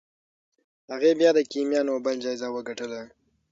هغې بیا د کیمیا نوبل جایزه وګټله.